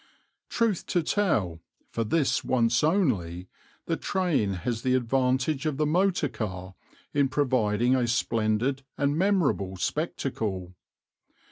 Truth to tell, for this once only, the train has the advantage of the motor car in providing a splendid and memorable spectacle.